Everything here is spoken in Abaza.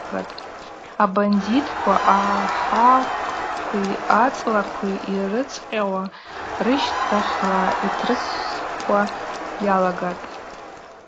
Абандитква ахӏахъвкви ацӏлакви йрыцӏкъьауа рыщтахьла йтрысхуа йалагатӏ.